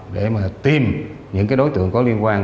để mà tìm những cái đối tượng có liên quan